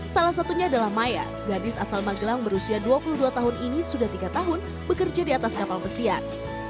salah satunya adalah maya gadis asal magelang berusia dua puluh dua tahun ini sudah tiga tahun bekerja di atas kapal pesiar